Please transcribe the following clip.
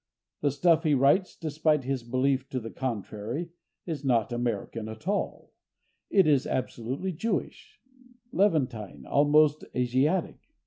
The stuff he writes, despite his belief to the contrary, is not American at all; it is absolutely Jewish, Levantine, almost Asiatic.